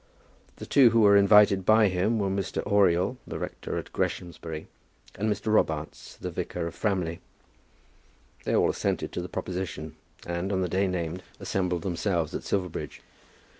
The two who were invited by him were Mr. Oriel, the rector of Greshamsbury, and Mr. Robarts, the vicar of Framley. They all assented to the proposition, and on the day named assembled themselves at Silverbridge.